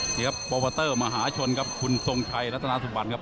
นี่ครับโปรโมเตอร์มหาชนครับคุณทรงชัยรัฐนาสุบันครับ